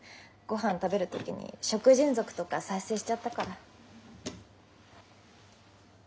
ごはん食べる時に「食人族」とか再生しちゃったから。